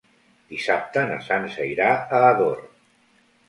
Dissabte na Sança irà a Ador.